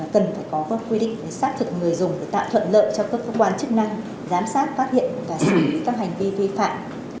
cần phải có quy định để xác thực người dùng để tạo thuận lợi cho các cơ quan chức năng giám sát phát hiện và xử lý các hành vi vi phạm